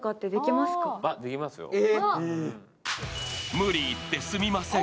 無理言ってすみません。